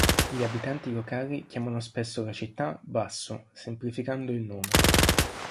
Gli abitanti locali chiamano spesso la città "Basso", semplificando il nome.